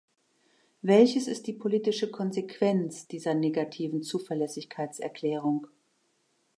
Welches ist die politische Konsequenz dieser negativen Zuverlässigkeitserklärung?